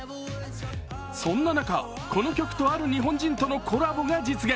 そんな中この曲とある日本人とのコラボが実現。